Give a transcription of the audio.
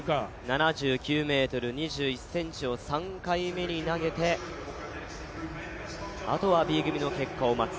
７９ｍ２１ｃｍを３回目に投げて、あとはＢ組の結果を待つ。